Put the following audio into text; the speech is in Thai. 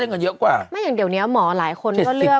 ปอยวังดีกว่าไม่อย่างเดี๋ยวนี้หมอหลายคนก็เลือก